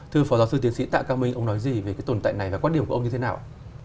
thưa phó giáo sư tiến sĩ tạ quang minh ông nói gì về cái tồn tại này và quan điểm của ông như thế nào